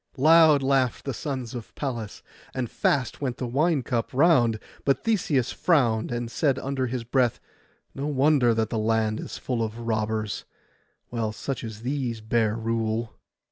Loud laughed the sons of Pallas, and fast went the wine cup round; but Theseus frowned, and said under his breath, 'No wonder that the land is full of robbers, while such as these bear rule.